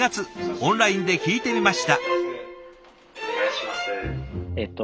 オンラインで聞いてみました。